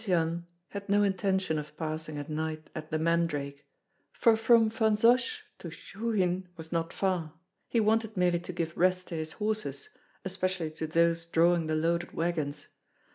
Jendzian had no intention of passing a night at "The Mandrake," for from Vansosh to Shchuchyn was not far, he wanted merely to give rest to his horses, especially to those drawing the loaded wagons.